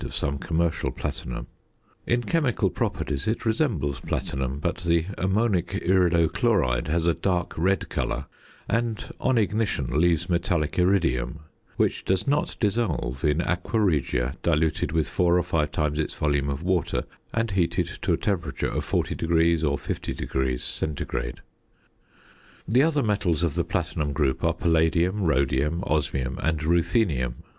of some commercial platinum. In chemical properties it resembles platinum, but the ammonic irido chloride has a dark red colour, and on ignition leaves metallic iridium, which does not dissolve in aqua regia diluted with four or five times its volume of water and heated to a temperature of 40° or 50° C. The other metals of the platinum group are Palladium, Rhodium, Osmium, and Ruthenium.